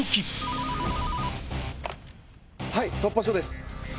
はい突破署です。